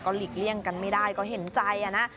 หลีกเลี่ยงกันไม่ได้ก็เห็นใจนะ